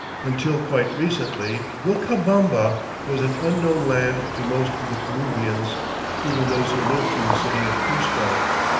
Until quite recently Vilcabamba was an unknown land to most of the Peruvians, even those who live in the city of Cuzco.